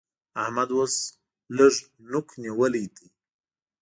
احمد اوس لږ نوک نيول دی